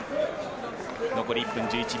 残り１分１１秒。